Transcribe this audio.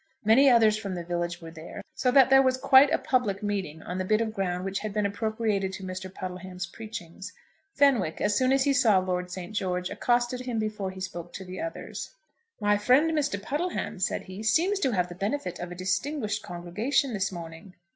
Many others from the village were there, so that there was quite a public meeting on the bit of ground which had been appropriated to Mr. Puddleham's preachings. Fenwick, as soon as he saw Lord St. George, accosted him before he spoke to the others. "My friend Mr. Puddleham," said he, "seems to have the benefit of a distinguished congregation this morning."